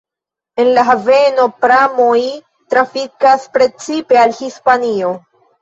En la haveno pramoj trafikas precipe al Hispanio.